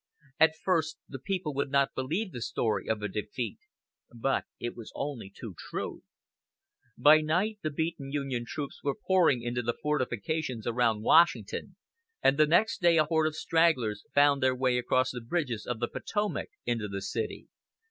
At first the people would not believe the story of a defeat; but it was only too true. By night the beaten Union troops were pouring into the fortifications around Washington, and the next day a horde of stragglers found their way across the bridges of the Potomac into the city.